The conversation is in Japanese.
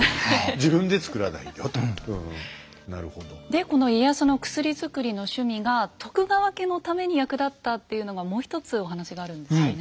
でこの家康の薬づくりの趣味が徳川家のために役立ったっていうのがもう一つお話があるんですよね。